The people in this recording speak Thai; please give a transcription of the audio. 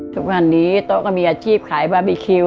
ทุกวันนี้โต๊ะก็มีอาชีพขายบาร์บีคิว